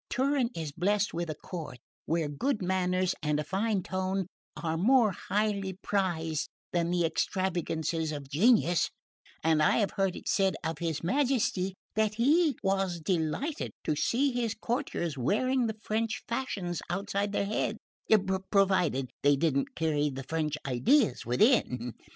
Turin is blessed with a court where good manners and a fine tone are more highly prized than the extravagances of genius; and I have heard it said of his Majesty that he was delighted to see his courtiers wearing the French fashions outside their heads, provided they didn't carry the French ideas within.